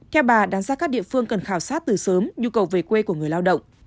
theo bà đánh giá các địa phương cần khảo sát từ sớm nhu cầu về quê của người lao động